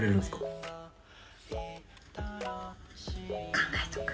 考えとく。